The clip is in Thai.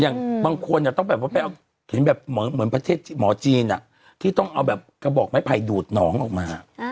อย่างบางคนเนี่ยต้องไปเอาแบบเหมือนประเทศหมอจีนอะที่ต้องเอากระบอกไม้ไผ่ดูดหนองออกมา